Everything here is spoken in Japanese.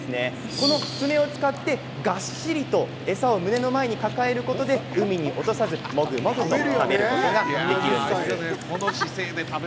この爪を使ってがっしりと餌を胸の前に抱えることで海に落とさず、もぐもぐ食べることができるんです。